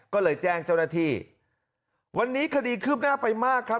ก็เลยแจ้งเจ้าหน้าที่วันนี้คดีคืบหน้าไปมากครับ